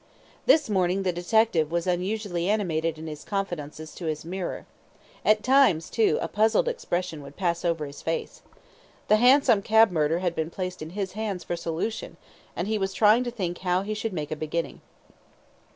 This morning the detective was unusually animated in his confidences to his mirror. At times, too, a puzzled expression would pass over his face. The hansom cab murder had been placed in his hands for solution, and he was trying to think how he should make a beginning.